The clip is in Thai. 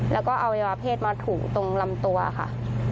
แล้วก็อวัยวะเพศมาถูตรงลำตัวค่ะ